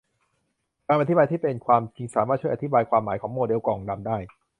คำอธิบายที่เป็นความจริงสามารถช่วยอธิบายความหมายของโมเดลกล่องดำได้